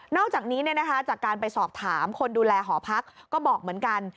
อกจากนี้จากการไปสอบถามคนดูแลหอพักก็บอกเหมือนกัน